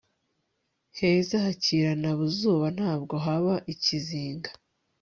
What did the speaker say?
heza hakirana buzuba ntabwo haba ikizinga